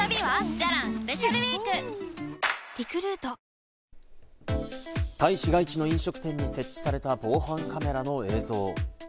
しかし、道路に目をやると、タイ市街地の飲食店に設置された防犯カメラの映像。